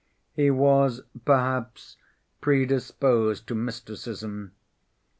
He was perhaps predisposed to mysticism.